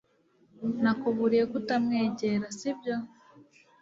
Nakuburiye ko utamwegera sibyo